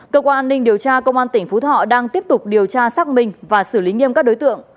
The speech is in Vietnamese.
cơ quan an ninh điều tra công an tỉnh phú thọ đang tiếp tục điều tra xác minh và xử lý nghiêm các đối tượng